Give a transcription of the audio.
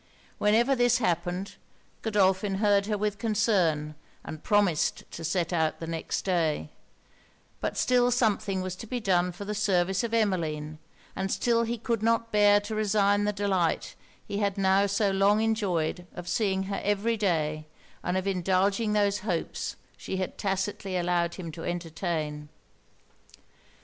Whenever this happened, Godolphin heard her with concern, and promised to set out the next day; but still something was to be done for the service of Emmeline, and still he could not bear to resign the delight he had now so long enjoyed of seeing her every day, and of indulging those hopes she had tacitly allowed him to entertain.